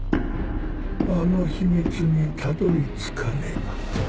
あの秘密にたどり着かねば。